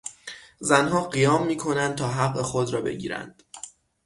زنها قیام میکنند تا حق خود را بگیرند.